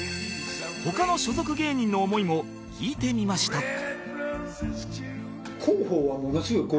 他の所属芸人の思いも聞いてみました